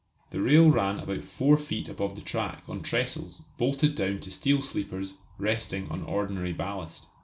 The rail ran about four feet above the track on trestles bolted down to steel sleepers resting on ordinary ballast.